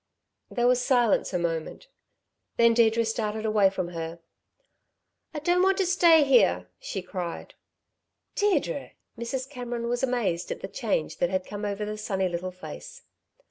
There was silence a moment. Then Deirdre started away from her. "I don't want to stay here!" she cried. "Deirdre!" Mrs. Cameron was amazed at the change that had come over the sunny, little face.